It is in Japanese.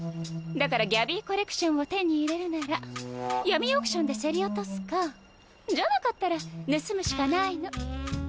だからギャビーコレクションを手に入れるなら闇オークションで競り落とすかじゃなかったら盗むしかないの。